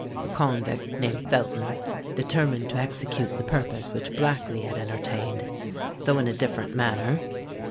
A convict named Felton determined to execute the purpose which Blackley had entertained—though in a different manner.